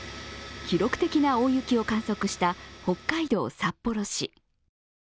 記録的な大雪を観測した北海道札幌市。